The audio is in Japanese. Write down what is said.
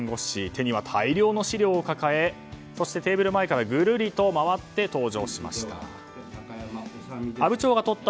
手には大量の資料を抱えテーブル前からぐるりと回って登場しました。